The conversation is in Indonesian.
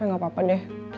gak apa apa deh